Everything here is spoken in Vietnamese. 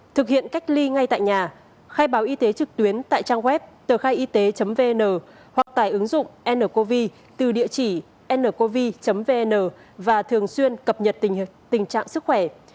thực hiện cách ly ngay tại nhà khai báo y tế trực tuyến tại trang web tờkhaiyt vn hoặc tải ứng dụng ncovi từ địa chỉ ncovi vn và thường xuyên cập nhật tình trạng sức khỏe